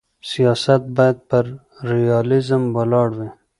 سیاست باید پر ریالیزم ولاړ وي.